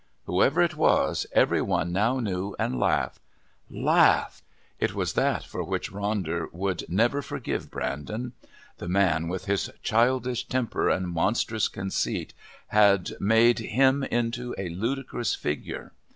Whoever it was, every one now knew and laughed. Laughed! It was that for which Ronder would never forgive Brandon. The man with his childish temper and monstrous conceit had made him into a ludicrous figure.